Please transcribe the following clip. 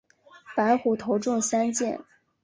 白虎头中三箭。